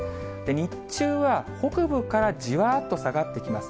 日中は北部からじわっと下がってきます。